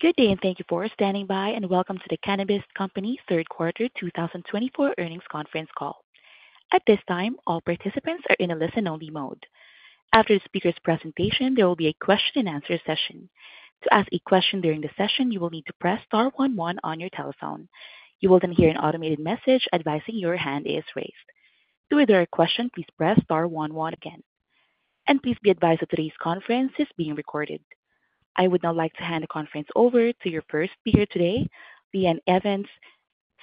Good day, and thank you for standing by, and welcome to The Cannabist Company Third Quarter 2024 Earnings Conference Call. At this time, all participants are in a listen-only mode. After the speaker's presentation, there will be a question-and-answer session. To ask a question during the session, you will need to press star one one on your telephone. You will then hear an automated message advising your hand is raised. To withdraw a question, please press star one one again. And please be advised that today's conference is being recorded. I would now like to hand the conference over to your first speaker today, Lee Ann Evans,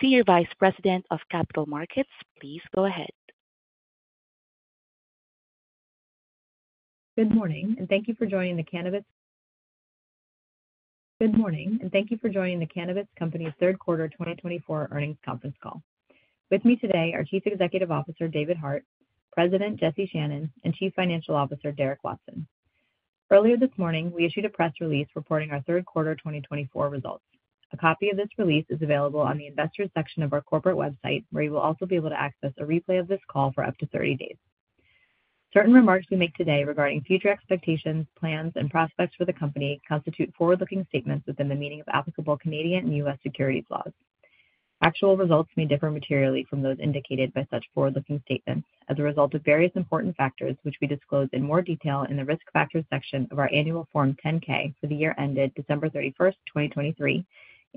Senior Vice President of Capital Markets. Please go ahead. Good morning, and thank you for joining The Cannabist Company Third Quarter 2024 Earnings Conference Call, with me today are Chief Executive Officer David Hart, President Jesse Channon, and Chief Financial Officer Derek Watson. Earlier this morning, we issued a press release reporting our third quarter 2024 results. A copy of this release is available on the investors' section of our corporate website, where you will also be able to access a replay of this call for up to 30 days. Certain remarks we make today regarding future expectations, plans, and prospects for the company constitute forward-looking statements within the meaning of applicable Canadian and U.S. securities laws. Actual results may differ materially from those indicated by such forward-looking statements as a result of various important factors, which we disclose in more detail in the risk factors section of our annual Form 10-K for the year ended December 31st, 2023,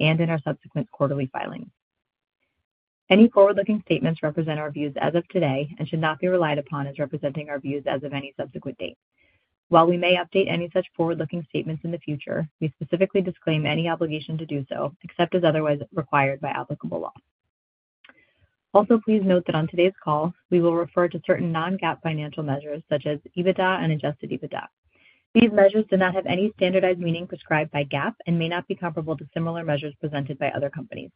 and in our subsequent quarterly filings. Any forward-looking statements represent our views as of today and should not be relied upon as representing our views as of any subsequent date. While we may update any such forward-looking statements in the future, we specifically disclaim any obligation to do so except as otherwise required by applicable law. Also, please note that on today's call, we will refer to certain non-GAAP financial measures such as EBITDA and Adjusted EBITDA. These measures do not have any standardized meaning prescribed by GAAP and may not be comparable to similar measures presented by other companies.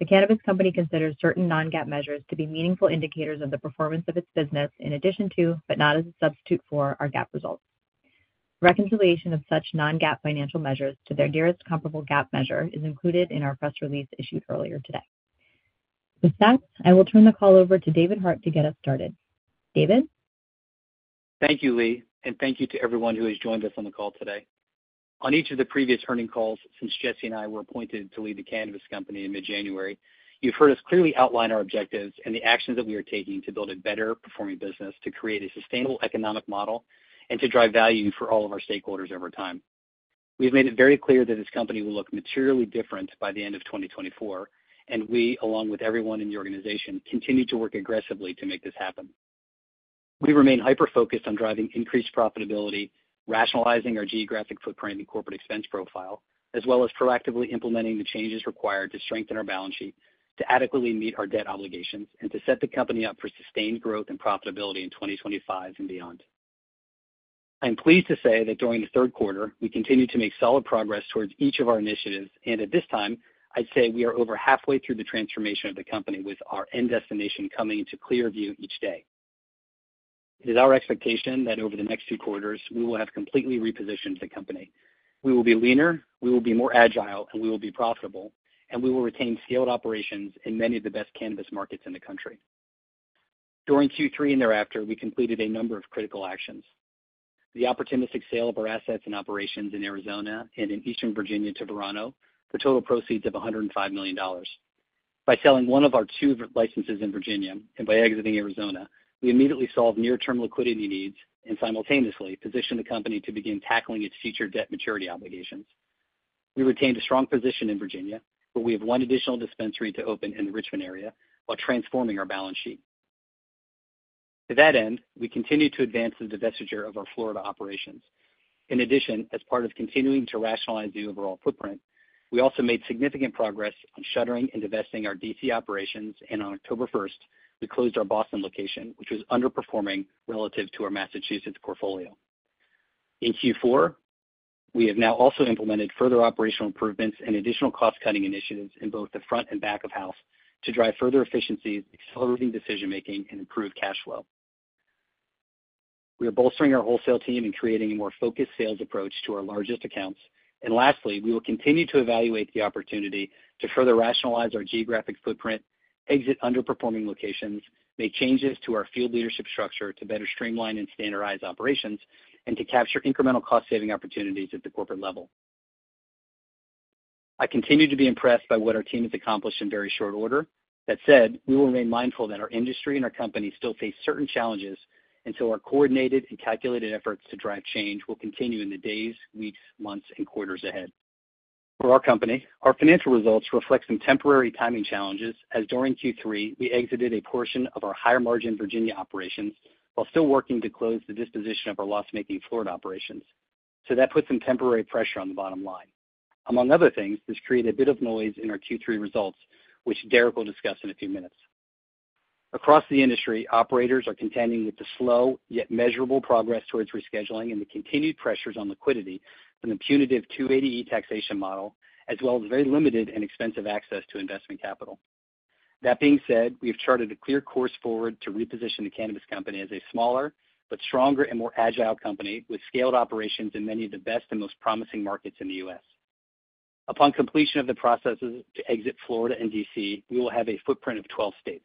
The Cannabist Company considers certain non-GAAP measures to be meaningful indicators of the performance of its business in addition to, but not as a substitute for, our GAAP results. Reconciliation of such non-GAAP financial measures to their nearest comparable GAAP measure is included in our press release issued earlier today. With that, I will turn the call over to David Hart to get us started. David. Thank you, Lee, and thank you to everyone who has joined us on the call today. On each of the previous earnings calls since Jesse and I were appointed to lead the Cannabist Company in mid-January, you've heard us clearly outline our objectives and the actions that we are taking to build a better-performing business, to create a sustainable economic model, and to drive value for all of our stakeholders over time. We've made it very clear that this company will look materially different by the end of 2024, and we, along with everyone in the organization, continue to work aggressively to make this happen. We remain hyper-focused on driving increased profitability, rationalizing our geographic footprint and corporate expense profile, as well as proactively implementing the changes required to strengthen our balance sheet, to adequately meet our debt obligations, and to set the company up for sustained growth and profitability in 2025 and beyond. I'm pleased to say that during the third quarter, we continue to make solid progress towards each of our initiatives, and at this time, I'd say we are over halfway through the transformation of the company with our end destination coming into clear view each day. It is our expectation that over the next two quarters, we will have completely repositioned the company. We will be leaner, we will be more agile, and we will be profitable, and we will retain scaled operations in many of the best cannabis markets in the country. During Q3 and thereafter, we completed a number of critical actions. The opportunistic sale of our assets and operations in Arizona and in Eastern Virginia to Verano, the total proceeds of $105 million. By selling one of our two licenses in Virginia and by exiting Arizona, we immediately solved near-term liquidity needs and simultaneously positioned the company to begin tackling its future debt maturity obligations. We retained a strong position in Virginia, but we have one additional dispensary to open in the Richmond area while transforming our balance sheet. To that end, we continue to advance the divestiture of our Florida operations. In addition, as part of continuing to rationalize the overall footprint, we also made significant progress on shuttering and divesting our D.C. operations, and on October 1st, we closed our Boston location, which was underperforming relative to our Massachusetts portfolio. In Q4, we have now also implemented further operational improvements and additional cost-cutting initiatives in both the front and back of house to drive further efficiencies, accelerating decision-making, and improved cash flow. We are bolstering our wholesale team and creating a more focused sales approach to our largest accounts. And lastly, we will continue to evaluate the opportunity to further rationalize our geographic footprint, exit underperforming locations, make changes to our field leadership structure to better streamline and standardize operations, and to capture incremental cost-saving opportunities at the corporate level. I continue to be impressed by what our team has accomplished in very short order. That said, we will remain mindful that our industry and our company still face certain challenges until our coordinated and calculated efforts to drive change will continue in the days, weeks, months, and quarters ahead. For our company, our financial results reflect some temporary timing challenges, as during Q3, we exited a portion of our higher-margin Virginia operations while still working to close the disposition of our loss-making Florida operations. So that puts some temporary pressure on the bottom line. Among other things, this created a bit of noise in our Q3 results, which Derek will discuss in a few minutes. Across the industry, operators are contending with the slow yet measurable progress towards rescheduling and the continued pressures on liquidity from the punitive 280E taxation model, as well as very limited and expensive access to investment capital. That being said, we have charted a clear course forward to reposition The Cannabist Company as a smaller, but stronger and more agile company with scaled operations in many of the best and most promising markets in the U.S. Upon completion of the processes to exit Florida and D.C., we will have a footprint of 12 states.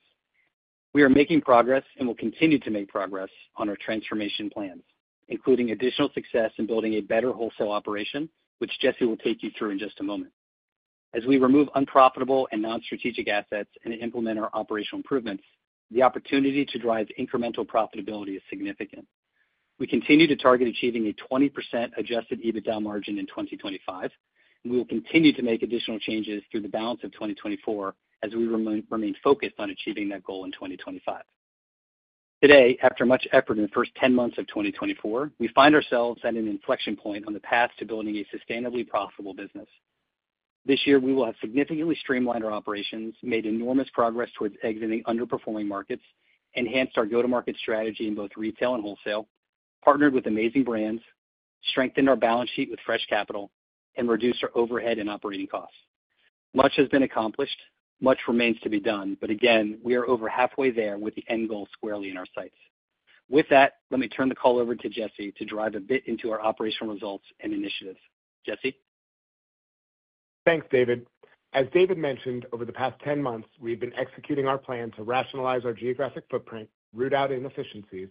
We are making progress and will continue to make progress on our transformation plans, including additional success in building a better wholesale operation, which Jesse will take you through in just a moment. As we remove unprofitable and non-strategic assets and implement our operational improvements, the opportunity to drive incremental profitability is significant. We continue to target achieving a 20% Adjusted EBITDA margin in 2025, and we will continue to make additional changes through the balance of 2024 as we remain focused on achieving that goal in 2025. Today, after much effort in the first 10 months of 2024, we find ourselves at an inflection point on the path to building a sustainably profitable business. This year, we will have significantly streamlined our operations, made enormous progress towards exiting underperforming markets, enhanced our go-to-market strategy in both retail and wholesale, partnered with amazing brands, strengthened our balance sheet with fresh capital, and reduced our overhead and operating costs. Much has been accomplished, much remains to be done, but again, we are over halfway there with the end goal squarely in our sights. With that, let me turn the call over to Jesse to drive a bit into our operational results and initiatives. Jesse. Thanks, David. As David mentioned, over the past 10 months, we have been executing our plan to rationalize our geographic footprint, root out inefficiencies,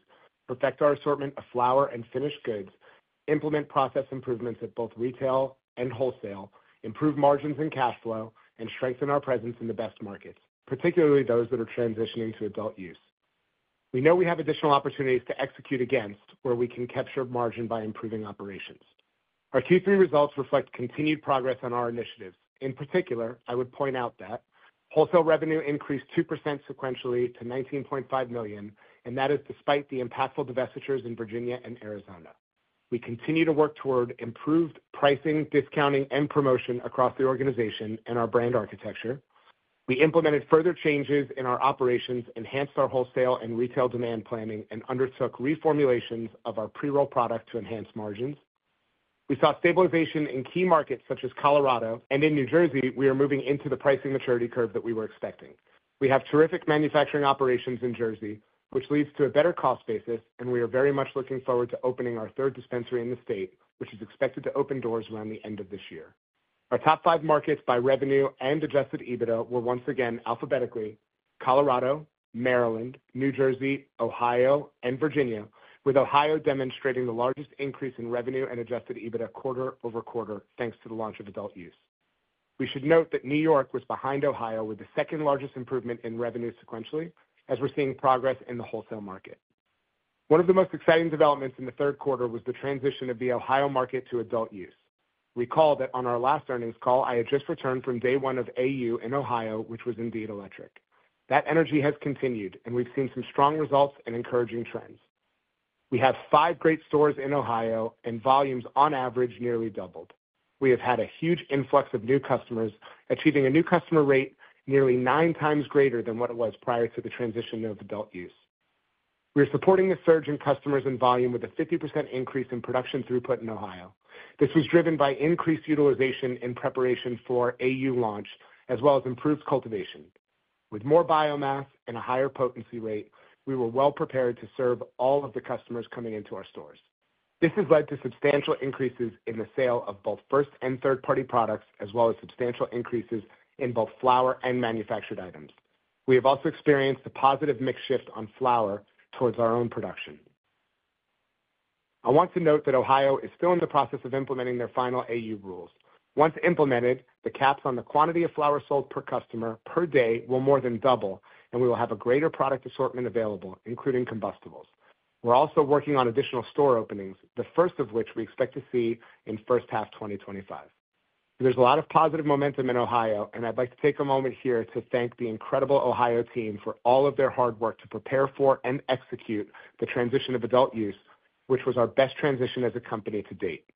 perfect our assortment of flower and finished goods, implement process improvements at both retail and wholesale, improve margins and cash flow, and strengthen our presence in the best markets, particularly those that are transitioning to adult use. We know we have additional opportunities to execute against where we can capture margin by improving operations. Our Q3 results reflect continued progress on our initiatives. In particular, I would point out that wholesale revenue increased 2% sequentially to $19.5 million, and that is despite the impactful divestitures in Virginia and Arizona. We continue to work toward improved pricing, discounting, and promotion across the organization and our brand architecture. We implemented further changes in our operations, enhanced our wholesale and retail demand planning, and undertook reformulations of our pre-roll product to enhance margins. We saw stabilization in key markets such as Colorado, and in New Jersey, we are moving into the pricing maturity curve that we were expecting. We have terrific manufacturing operations in Jersey, which leads to a better cost basis, and we are very much looking forward to opening our third dispensary in the state, which is expected to open doors around the end of this year. Our top five markets by revenue and Adjusted EBITDA were once again alphabetically: Colorado, Maryland, New Jersey, Ohio, and Virginia, with Ohio demonstrating the largest increase in revenue and Adjusted EBITDA quarter over quarter thanks to the launch of adult use. We should note that New York was behind Ohio with the second-largest improvement in revenue sequentially, as we're seeing progress in the wholesale market. One of the most exciting developments in the third quarter was the transition of the Ohio market to adult use. Recall that on our last earnings call, I had just returned from day one of AU in Ohio, which was indeed electric. That energy has continued, and we've seen some strong results and encouraging trends. We have five great stores in Ohio, and volumes on average nearly doubled. We have had a huge influx of new customers, achieving a new customer rate nearly nine times greater than what it was prior to the transition of adult use. We are supporting the surge in customers and volume with a 50% increase in production throughput in Ohio. This was driven by increased utilization in preparation for AU launch, as well as improved cultivation. With more biomass and a higher potency rate, we were well prepared to serve all of the customers coming into our stores. This has led to substantial increases in the sale of both first and third-party products, as well as substantial increases in both flower and manufactured items. We have also experienced a positive mix shift on flower towards our own production. I want to note that Ohio is still in the process of implementing their final AU rules. Once implemented, the caps on the quantity of flower sold per customer per day will more than double, and we will have a greater product assortment available, including combustibles. We're also working on additional store openings, the first of which we expect to see in first half 2025. There's a lot of positive momentum in Ohio, and I'd like to take a moment here to thank the incredible Ohio team for all of their hard work to prepare for and execute the transition of adult use, which was our best transition as a company to date.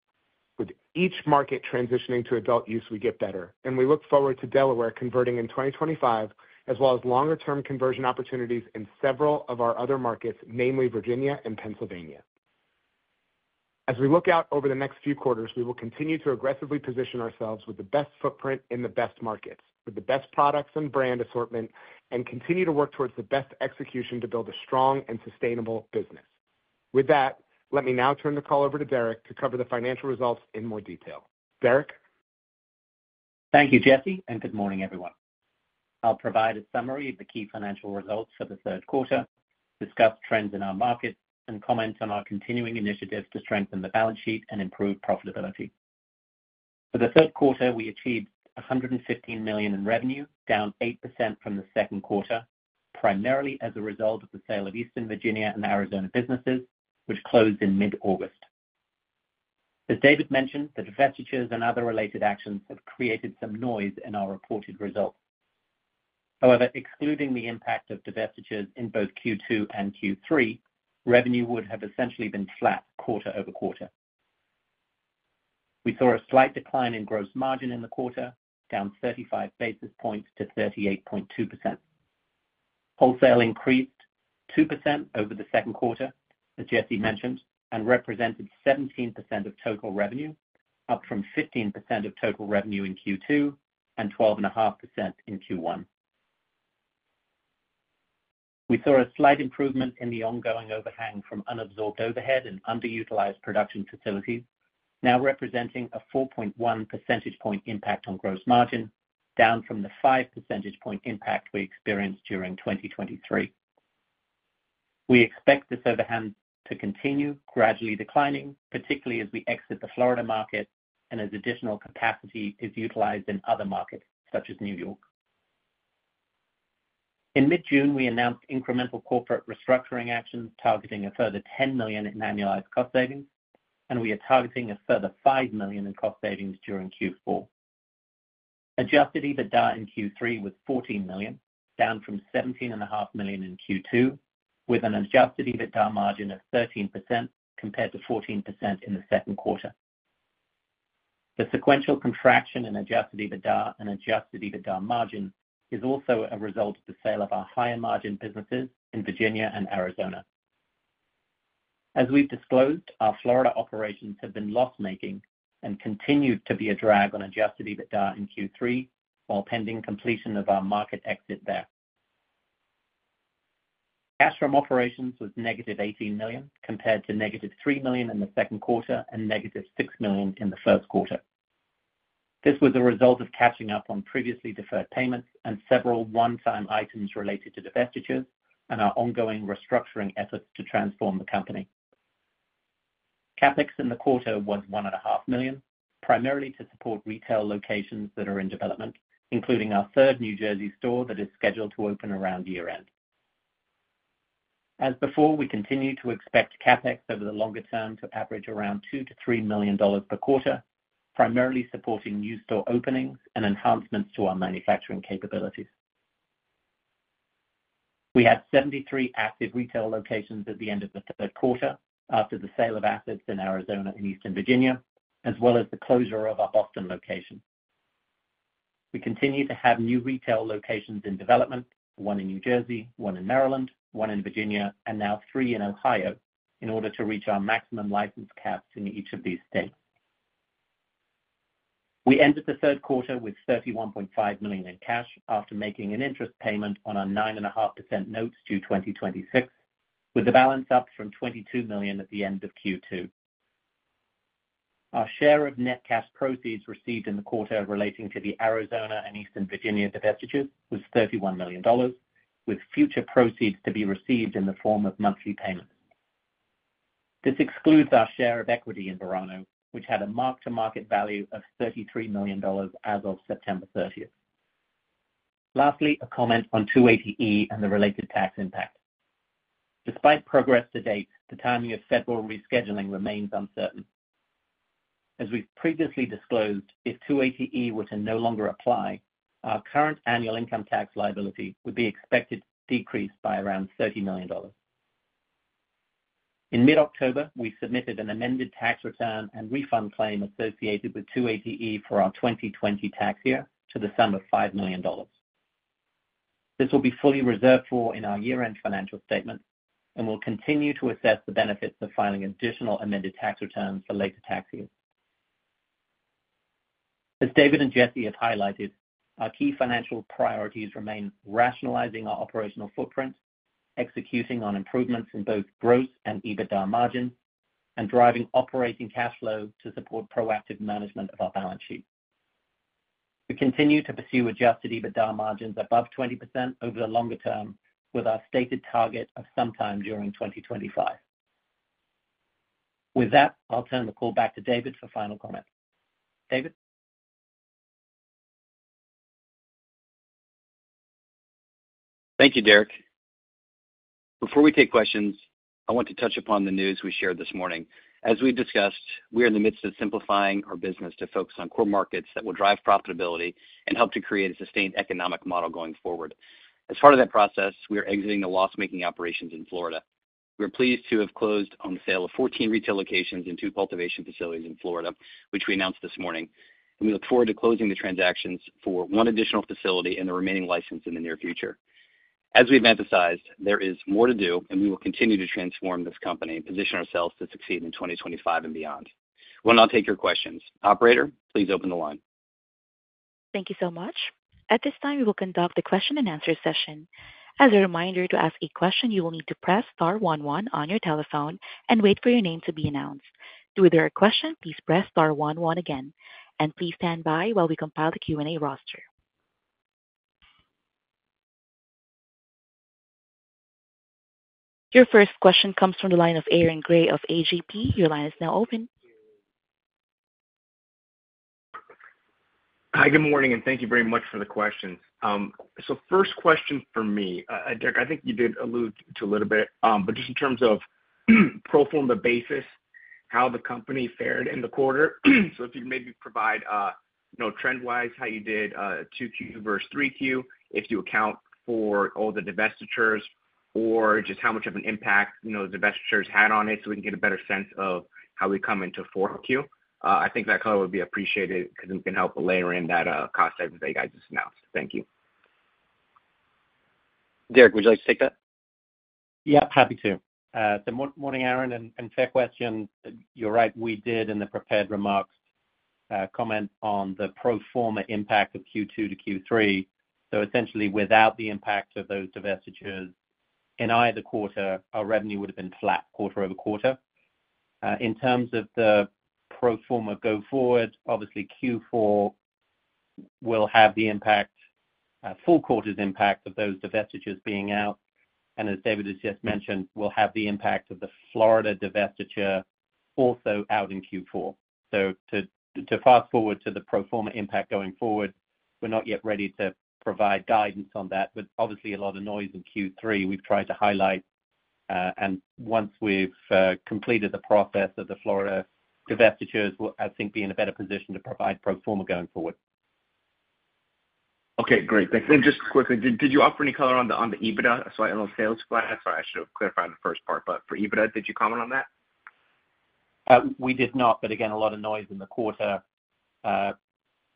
With each market transitioning to adult use, we get better, and we look forward to Delaware converting in 2025, as well as longer-term conversion opportunities in several of our other markets, namely Virginia and Pennsylvania. As we look out over the next few quarters, we will continue to aggressively position ourselves with the best footprint in the best markets, with the best products and brand assortment, and continue to work towards the best execution to build a strong and sustainable business. With that, let me now turn the call over to Derek to cover the financial results in more detail. Derek. Thank you, Jesse, and good morning, everyone. I'll provide a summary of the key financial results for the third quarter, discuss trends in our markets, and comment on our continuing initiatives to strengthen the balance sheet and improve profitability. For the third quarter, we achieved $115 million in revenue, down 8% from the second quarter, primarily as a result of the sale of Eastern Virginia and Arizona businesses, which closed in mid-August. As David mentioned, the divestitures and other related actions have created some noise in our reported results. However, excluding the impact of divestitures in both Q2 and Q3, revenue would have essentially been flat quarter-over-quarter. We saw a slight decline in gross margin in the quarter, down 35 basis points to 38.2%. Wholesale increased 2% over the second quarter, as Jesse mentioned, and represented 17% of total revenue, up from 15% of total revenue in Q2 and 12.5% in Q1. We saw a slight improvement in the ongoing overhang from unabsorbed overhead and underutilized production facilities, now representing a 4.1 percentage point impact on gross margin, down from the 5 percentage point impact we experienced during 2023. We expect this overhang to continue gradually declining, particularly as we exit the Florida market and as additional capacity is utilized in other markets such as New York. In mid-June, we announced incremental corporate restructuring actions targeting a further $10 million in annualized cost savings, and we are targeting a further $5 million in cost savings during Q4. Adjusted EBITDA in Q3 was $14 million, down from $17.5 million in Q2, with an Adjusted EBITDA margin of 13% compared to 14% in the second quarter. The sequential contraction in Adjusted EBITDA and Adjusted EBITDA margin is also a result of the sale of our higher-margin businesses in Virginia and Arizona. As we've disclosed, our Florida operations have been loss-making and continue to be a drag on Adjusted EBITDA in Q3 while pending completion of our market exit there. Cash from operations was -$18 million compared to -$3 million in the second quarter and -$6 million in the first quarter. This was a result of catching up on previously deferred payments and several one-time items related to divestitures and our ongoing restructuring efforts to transform the company. CapEx in the quarter was $1.5 million, primarily to support retail locations that are in development, including our third New Jersey store that is scheduled to open around year-end. As before, we continue to expect CapEx over the longer term to average around $2 million-$3 million per quarter, primarily supporting new store openings and enhancements to our manufacturing capabilities. We had 73 active retail locations at the end of the third quarter after the sale of assets in Arizona and Eastern Virginia, as well as the closure of our Boston location. We continue to have new retail locations in development, one in New Jersey, one in Maryland, one in Virginia, and now three in Ohio, in order to reach our maximum license caps in each of these states. We ended the third quarter with $31.5 million in cash after making an interest payment on our 9.5% notes due 2026, with the balance up from $22 million at the end of Q2. Our share of net cash proceeds received in the quarter relating to the Arizona and Eastern Virginia divestitures was $31 million, with future proceeds to be received in the form of monthly payments. This excludes our share of equity in Verano, which had a mark-to-market value of $33 million as of September 30. Lastly, a comment on 280E and the related tax impact. Despite progress to date, the timing of federal rescheduling remains uncertain. As we've previously disclosed, if 280E were to no longer apply, our current annual income tax liability would be expected to decrease by around $30 million. In mid-October, we submitted an amended tax return and refund claim associated with 280E for our 2020 tax year to the sum of $5 million. This will be fully reserved for in our year-end financial statement and will continue to assess the benefits of filing additional amended tax returns for later tax years. As David and Jesse have highlighted, our key financial priorities remain rationalizing our operational footprint, executing on improvements in both gross and EBITDA margins, and driving operating cash flow to support proactive management of our balance sheet. We continue to pursue Adjusted EBITDA margins above 20% over the longer term, with our stated target of sometime during 2025. With that, I'll turn the call back to David for final comment. David. Thank you, Derek. Before we take questions, I want to touch upon the news we shared this morning. As we've discussed, we are in the midst of simplifying our business to focus on core markets that will drive profitability and help to create a sustained economic model going forward. As part of that process, we are exiting the loss-making operations in Florida. We are pleased to have closed on the sale of 14 retail locations and two cultivation facilities in Florida, which we announced this morning. We look forward to closing the transactions for one additional facility and the remaining license in the near future. As we've emphasized, there is more to do, and we will continue to transform this company and position ourselves to succeed in 2025 and beyond. We'll now take your questions. Operator, please open the line. Thank you so much. At this time, we will conduct the question-and-answer session. As a reminder, to ask a question, you will need to press star one one on your telephone and wait for your name to be announced. To withdraw a question, please press star one one again. And please stand by while we compile the Q&A roster. Your first question comes from the line of Aaron Grey of AGP. Your line is now open. Hi, good morning, and thank you very much for the questions. So first question for me, Derek, I think you did allude to a little bit, but just in terms of pro forma basis, how the company fared in the quarter. So if you can maybe provide trend-wise how you did 2Q versus 3Q, if you account for all the divestitures or just how much of an impact the divestitures had on it so we can get a better sense of how we come into 4Q, I think that color would be appreciated because it can help layer in that cost savings that you guys just announced. Thank you. Derek, would you like to take that? Yep, happy to. So morning, Aaron. And fair question. You're right, we did in the prepared remarks comment on the pro forma impact of Q2 to Q3. So essentially, without the impact of those divestitures in either quarter, our revenue would have been flat quarter over quarter. In terms of the pro forma go forward, obviously, Q4 will have the impact, full quarter's impact of those divestitures being out. And as David has just mentioned, we'll have the impact of the Florida divestiture also out in Q4. So to fast forward to the pro forma impact going forward, we're not yet ready to provide guidance on that, but obviously, a lot of noise in Q3 we've tried to highlight. And once we've completed the process of the Florida divestitures, we'll, I think, be in a better position to provide pro forma going forward. Okay, great. Thanks. And just quickly, did you offer any color on the EBITDA? Sorry, I know sales flat. Sorry, I should have clarified the first part. But for EBITDA, did you comment on that? We did not, but again, a lot of noise in the quarter.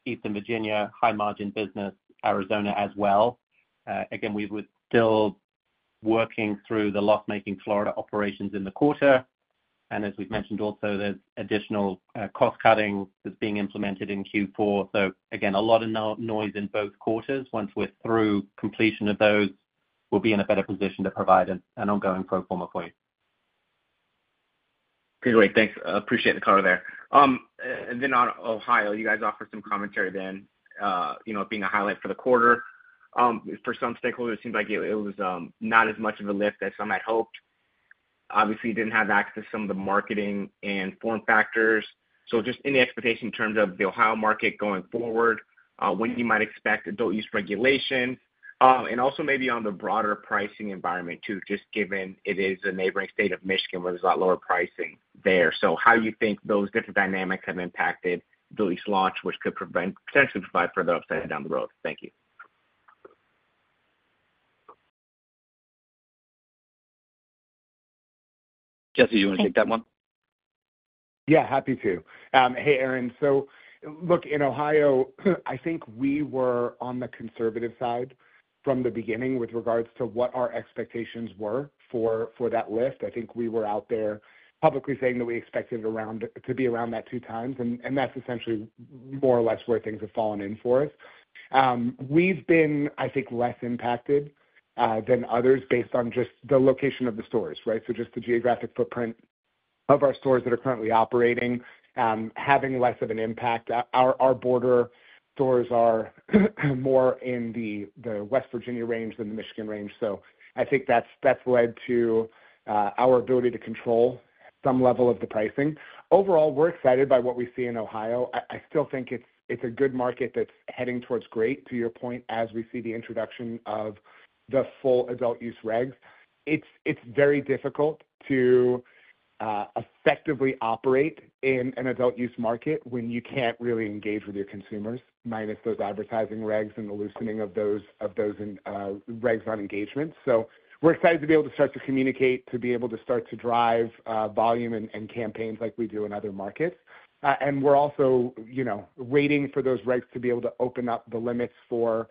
Eastern Virginia, high-margin business, Arizona as well. Again, we were still working through the loss-making Florida operations in the quarter, and as we've mentioned, also, there's additional cost cutting that's being implemented in Q4, so again, a lot of noise in both quarters. Once we're through completion of those, we'll be in a better position to provide an ongoing pro forma for you. Okay, great. Thanks. Appreciate the color there. And then on Ohio, you guys offered some commentary then, being a highlight for the quarter. For some stakeholders, it seemed like it was not as much of a lift as some had hoped. Obviously, you didn't have access to some of the marketing and form factors. So just any expectation in terms of the Ohio market going forward, when you might expect adult use regulations, and also maybe on the broader pricing environment too, just given it is a neighboring state of Michigan where there's a lot lower pricing there. So how you think those different dynamics have impacted adult use launch, which could potentially provide further upside down the road. Thank you. Jesse, do you want to take that one? Yeah, happy to. Hey, Aaron. So look, in Ohio, I think we were on the conservative side from the beginning with regards to what our expectations were for that lift. I think we were out there publicly saying that we expected it to be around that two times, and that's essentially more or less where things have fallen in for us. We've been, I think, less impacted than others based on just the location of the stores, right? So just the geographic footprint of our stores that are currently operating, having less of an impact. Our border stores are more in the West Virginia range than the Michigan range. So I think that's led to our ability to control some level of the pricing. Overall, we're excited by what we see in Ohio. I still think it's a good market that's heading towards great, to your point, as we see the introduction of the full adult use regs. It's very difficult to effectively operate in an adult use market when you can't really engage with your consumers, minus those advertising regs and the loosening of those regs on engagements, so we're excited to be able to start to communicate, to be able to start to drive volume and campaigns like we do in other markets, and we're also waiting for those regs to be able to open up the limits for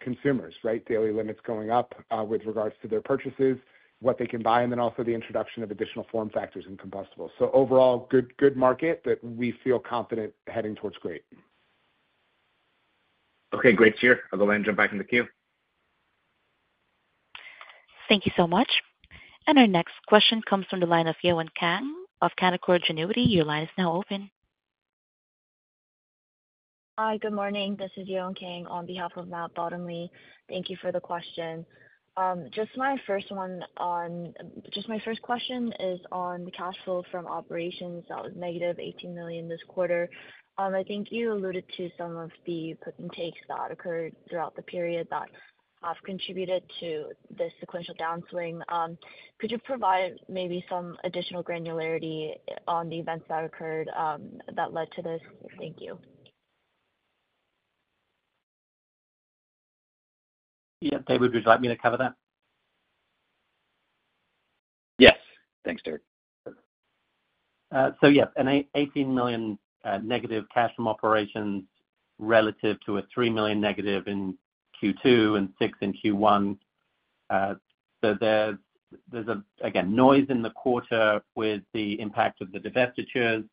consumers, right, daily limits going up with regards to their purchases, what they can buy, and then also the introduction of additional form factors and combustibles, so overall, good market that we feel confident heading towards great. Okay, great to hear. I'll go ahead and jump back in the queue. Thank you so much. And our next question comes from the line of Yewon Kang of Canaccord Genuity. Your line is now open. Hi, good morning. This is Yewon Kang on behalf of Matt Bottomley. Thank you for the question. Just my first question is on the cash flow from operations that was -$18 million this quarter. I think you alluded to some of the plugs and takes that occurred throughout the period that have contributed to this sequential downswing. Could you provide maybe some additional granularity on the events that occurred that led to this? Thank you. Yeah, David, would you like me to cover that? Yes. Thanks, Derek. So yeah, an $18 million negative cash from operations relative to a $3 million negative in Q2 and $6 million in Q1. So there's again noise in the quarter with the impact of the divestitures,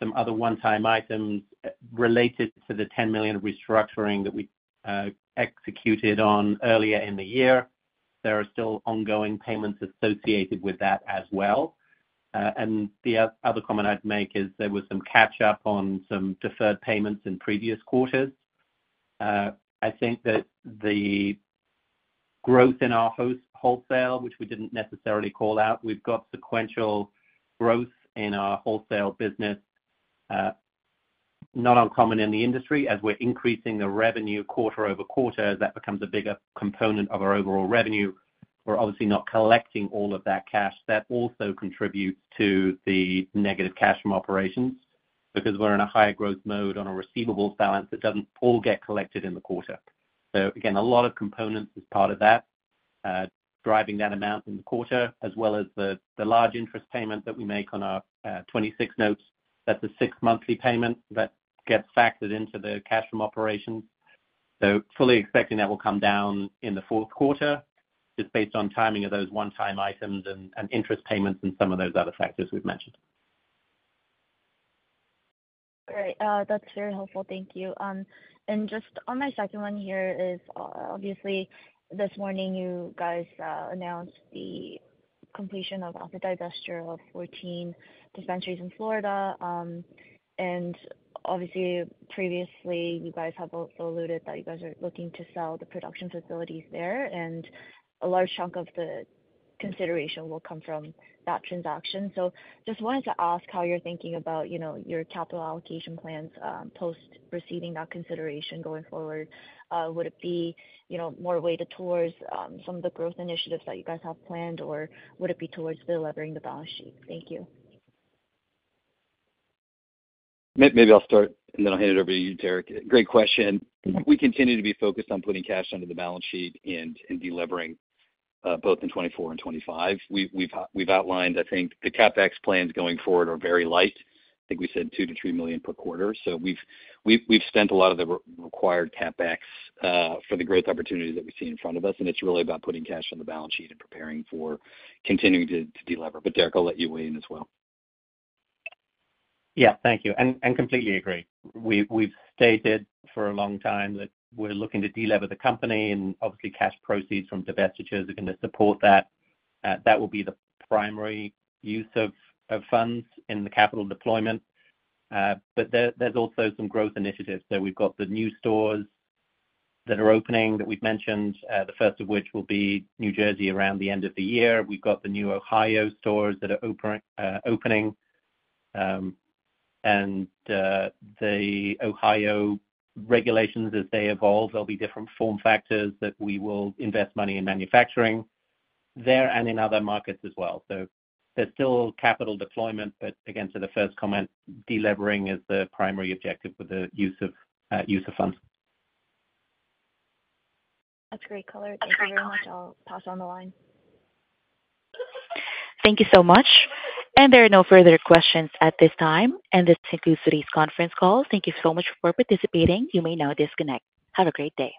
some other one-time items related to the $10 million restructuring that we executed on earlier in the year. There are still ongoing payments associated with that as well. And the other comment I'd make is there was some catch-up on some deferred payments in previous quarters. I think that the growth in our wholesale, which we didn't necessarily call out, we've got sequential growth in our wholesale business. Not uncommon in the industry as we're increasing the revenue quarter over quarter as that becomes a bigger component of our overall revenue. We're obviously not collecting all of that cash. That also contributes to the negative cash from operations because we're in a higher growth mode on a receivables balance that doesn't all get collected in the quarter. So again, a lot of components as part of that, driving that amount in the quarter, as well as the large interest payment that we make on our 26 notes. That's a six-monthly payment that gets factored into the cash from operations. So fully expecting that will come down in the fourth quarter, just based on timing of those one-time items and interest payments and some of those other factors we've mentioned. All right. That's very helpful. Thank you. And just on my second one here is obviously this morning you guys announced the completion of the divestiture of 14 dispensaries in Florida. And obviously, previously you guys have also alluded that you guys are looking to sell the production facilities there, and a large chunk of the consideration will come from that transaction. So just wanted to ask how you're thinking about your capital allocation plans post receiving that consideration going forward. Would it be more weighted towards some of the growth initiatives that you guys have planned, or would it be towards delivering the balance sheet? Thank you. Maybe I'll start, and then I'll hand it over to you, Derek. Great question. We continue to be focused on putting cash under the balance sheet and delivering both in 2024 and 2025. We've outlined, I think, the CapEx plans going forward are very light. I think we said $2 million-$3 million per quarter. So we've spent a lot of the required CapEx for the growth opportunities that we see in front of us, and it's really about putting cash on the balance sheet and preparing for continuing to deliver. But Derek, I'll let you weigh in as well. Yeah, thank you, and completely agree. We've stated for a long time that we're looking to deliver the company, and obviously, cash proceeds from divestitures are going to support that. That will be the primary use of funds in the capital deployment, but there's also some growth initiatives, so we've got the new stores that are opening that we've mentioned, the first of which will be New Jersey around the end of the year. We've got the new Ohio stores that are opening, and the Ohio regulations, as they evolve, there'll be different form factors that we will invest money in manufacturing there and in other markets as well, so there's still capital deployment, but again, to the first comment, delivering is the primary objective with the use of funds. That's great, color. Thank you very much. I'll pass on the line. Thank you so much. And there are no further questions at this time, and this concludes today's conference call. Thank you so much for participating. You may now disconnect. Have a great day.